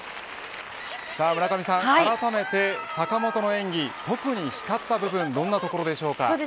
あらためて坂本の演技、特に光った部分どんなところでしょうか。